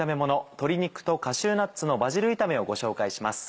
「鶏肉とカシューナッツのバジル炒め」をご紹介します。